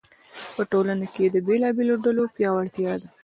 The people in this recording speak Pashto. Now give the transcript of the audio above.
په ټولنه کې د بېلابېلو ډلو پیاوړتیا ده.